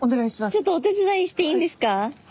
ちょっとお手伝いしていいんですか？